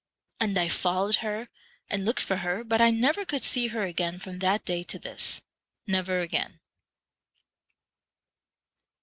And I fol lowed her, and looked for her, but I never could see her again from that day to this, never again.